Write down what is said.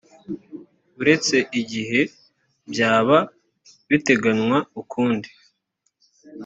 uretse igihe byaba biteganywa ukundi